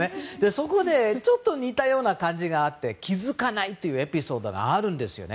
そこで、ちょっと似たような感じがあって気づかなというエピソードがあるんですね。